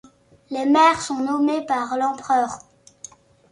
Les maires sont nommés par l'empereur.